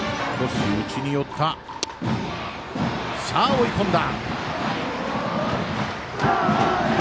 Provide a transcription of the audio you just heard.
追い込んだ！